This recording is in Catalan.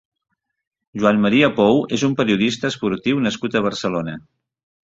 Joan Maria Pou és un periodista esportiu nascut a Barcelona.